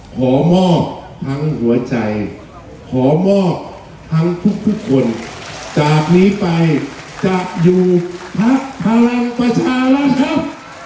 ขอมอบทั้งหัวใจขอมอบทั้งทุกคนจากนี้ไปจะอยู่พักพลังประชารัฐครับ